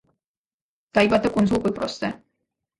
დაიბადა კუნძულ კვიპროსზე.